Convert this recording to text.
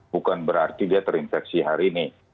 bukan berarti dia terinfeksi hari ini